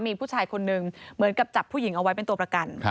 มีผู้ชายคนนึงเหมือนกับจับผู้หญิงเอาไว้เป็นตัวประกัน